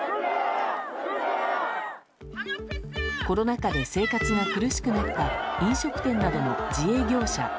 コロナ禍で生活が苦しくなった飲食店などの自営業者